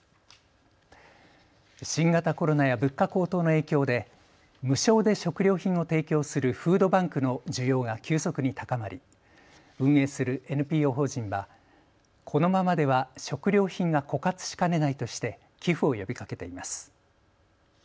新型コロナや物価高騰の影響で無償で食料品を提供するフードバンクの需要が急速に高まり、運営するＮＰＯ法人はこのままでは食料品が枯渇しかねないとして寄付を呼びかけています。